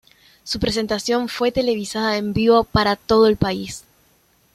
Su presentación fue televisada en vivo para todo el país.